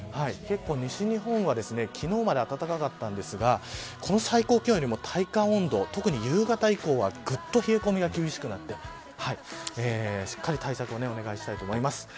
結構、西日本は昨日まで暖かかったんですがこの最高気温よりも体感温度特に夕方以降はぐっと冷え込みが厳しくなってしっかり対策をお願いしたいと思います。